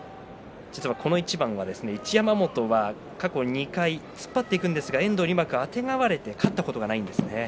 この一番、一山本は過去２回突っ張っていくんですが遠藤にうまくあてがわれて勝ったことがないんです。